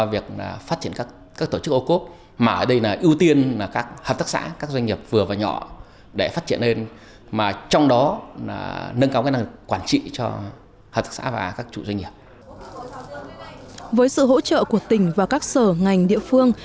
với sự hỗ trợ của tỉnh và các sở ngành địa phương